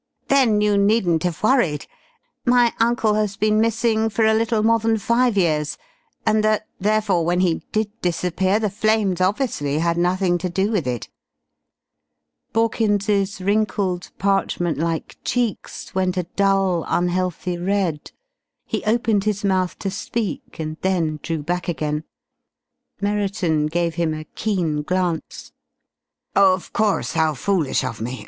"Then you needn't have worried. My uncle has been missing for a little more than five years, and that, therefore, when he did disappear the flames obviously had nothing to do with it!" Borkins's wrinkled, parchment like cheeks went a dull, unhealthy red. He opened his mouth to speak and then drew back again. Merriton gave him a keen glance. "Of course, how foolish of me.